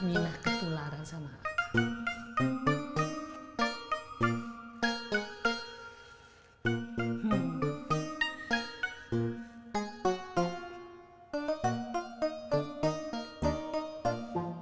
minah ketularan sama akang